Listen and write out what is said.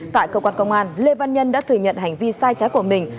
tại cơ quan công an lê văn nhân đã thừa nhận hành vi sai trái của mình